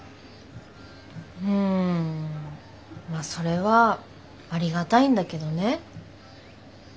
んまあそれはありがたいんだけどね。